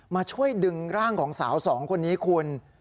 มาช่วยดึงร่างของสาวสองคนนี้คุณ